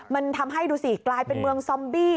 มันทำให้ดูสิกลายเป็นเมืองซอมบี้